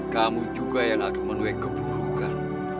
kamu juga yang akan mengekeburukan